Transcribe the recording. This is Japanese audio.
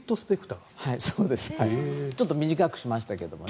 ちょっと短くしましたけど。